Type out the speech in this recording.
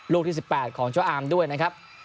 ลูกที่๑๘ของเจ้าอามด้วยนะครับ